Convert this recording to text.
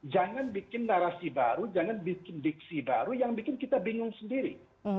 jangan bikin narasi baru jangan bikin diksi baru yang bikin kita bingung sendiri